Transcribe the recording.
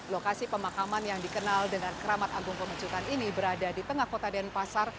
lokasi pemakaman yang dikenal dengan keramat agung pemecutan ini berada di tengah kota denpasar